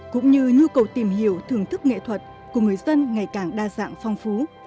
cũng như nhu cầu tìm hiểu thưởng thức nghệ thuật của người dân ngày càng đa dạng phong phú